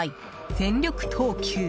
全力投球！！」